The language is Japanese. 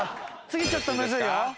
次ちょっとむずいよ。